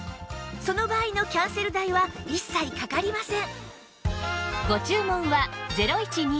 その場合のキャンセル代は一切かかりません